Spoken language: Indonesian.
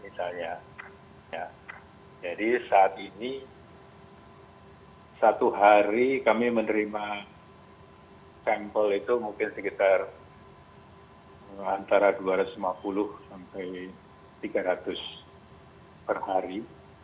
jadi saat ini satu hari kami menerima sampel itu mungkin sekitar antara dua ratus lima puluh sampai tiga ratus per hari